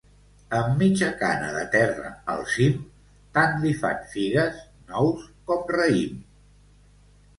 Amb mitja cana de terra al cim, tant li fan figues, nous com raïm.